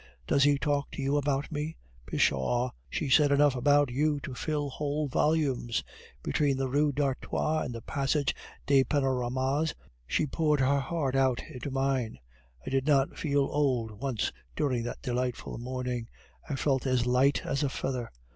Does he talk to you about me?' Pshaw! she said enough about you to fill whole volumes; between the Rue d'Artois and the Passage des Panoramas she poured her heart out into mine. I did not feel old once during that delightful morning; I felt as light as a feather.